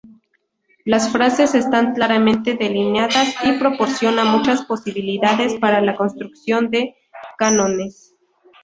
Las frases están claramente delineadas y proporciona muchas posibilidades para la construcción de cánones.